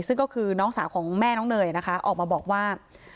ซึ่งก็คือน้องสาวของแม่น้องเนยนะคะออกมาบอกว่า